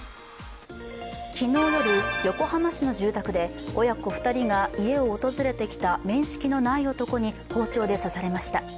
昨日夜、横浜市の住宅で親子２人が、家を訪れてきた面識のない男に包丁で刺されました。